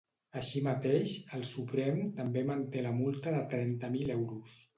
Així mateix, el Suprem també manté la multa de trenta mil euros.